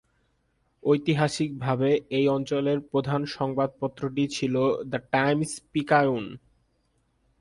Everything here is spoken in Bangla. ঐতিহাসিকভাবে এই অঞ্চলের প্রধান সংবাদপত্রটি ছিল "দ্য টাইমস-পিকায়ুন"।